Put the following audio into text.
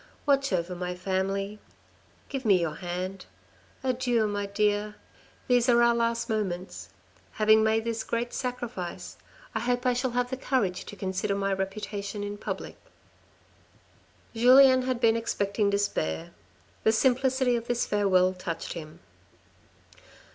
Watch over my family. Give me your hand. Adieu, my dear. These are our last moments. Having made this great sacrifice, I hope I shall have the courage to consider my reputation in public." Julien had been expecting despair. The simplicity of this farewell touched him.